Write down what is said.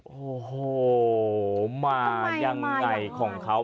โอ้โหมายังไงของเขา